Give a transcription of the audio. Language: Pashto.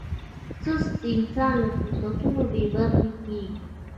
سست انسان له فرصتونو بې برخې کېږي.